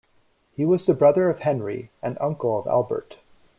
He was the brother of Henry and uncle of Albert.